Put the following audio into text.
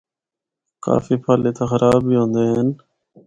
کافی پھل اِتھا خراب بھی ہوندے ہن۔